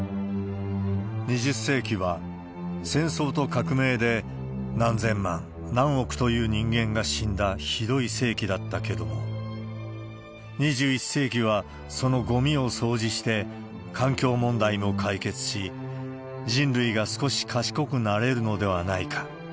２０世紀は、戦争と革命で何千万、何億という人間が死んだひどい世紀だったけども、２１世紀はそのごみを掃除して、環境問題も解決し、人類が少し賢くなれるのではないか。